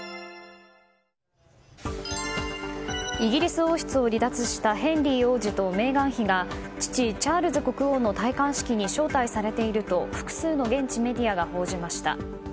イギリス王室を離脱したヘンリー王子とメーガン妃が父チャールズ国王の戴冠式に招待されていると複数の現地メディアが報じました。